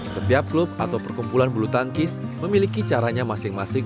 setiap klub atau perkumpulan bulu tangkis memiliki caranya masing masing